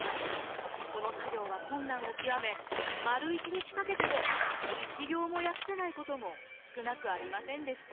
この作業は困難を極め丸一日かけても１行も訳せないことも少なくありませんでした。